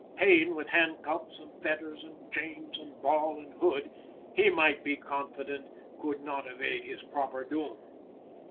Payne, with hand cuffs and fetters and chains and ball and hood, he might be confident, could not evade his proper doom.